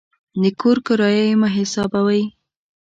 د کور کرایه یې مه حسابوئ.